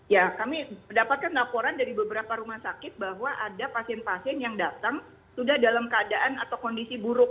ya kami mendapatkan laporan dari beberapa rumah sakit bahwa ada pasien pasien yang datang sudah dalam keadaan atau kondisi buruk